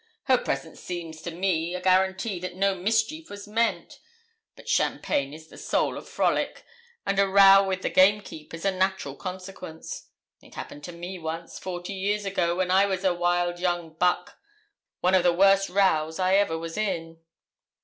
Her presence seems to me a guarantee that no mischief was meant; but champagne is the soul of frolic, and a row with the gamekeepers a natural consequence. It happened to me once forty years ago, when I was a wild young buck one of the worst rows I ever was in.'